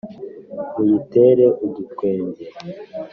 muyitere udutwenge